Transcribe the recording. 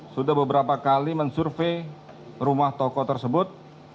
sudah beberapa kali mensurvey rumah toko tersebut